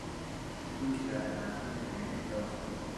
تورکیا لە ناتۆ دەمێنێتەوە؟